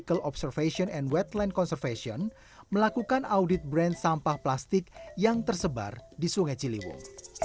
dan konservasi lantai melakukan audit brand sampah plastik yang tersebar di sungai ciliwung